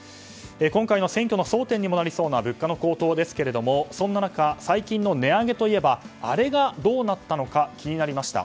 今回の選挙の争点にもなりそうな物価の高騰ですが、そんな中最近の値上げといえばあれがどうなったのか気になりました。